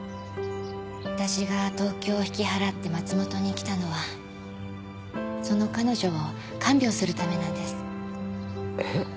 私が東京を引き払って松本に来たのはその彼女を看病するためなんですえっ？